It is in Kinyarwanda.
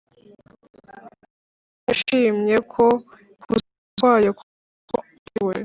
kuko Imana yashimye ko kuzura kwayo kose kuba muri we